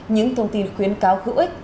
những thông tin khuyến cáo hữu ích